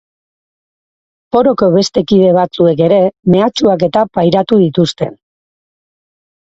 Foroko beste kide batzuek ere mehatxuak-eta pairatu dituzte.